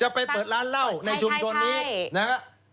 ไปเปิดร้านเหล้าในชุมชนนี้นะฮะ